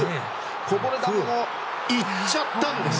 こぼれ球も行っちゃったんです。